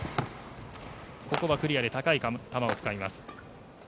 ここはクリアで高い球を使います。